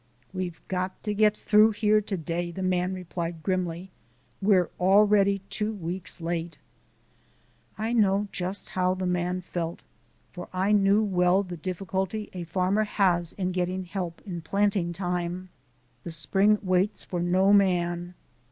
"We've got to get through here to day," the man replied grimly; "we're already two weeks late." I know just how the man felt; for I knew well the difficulty a farmer has in getting help in planting time. The spring waits for no man.